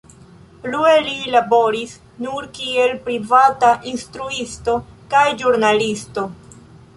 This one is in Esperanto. Plue li laboris nur kiel privata instruisto kaj ĵurnalisto.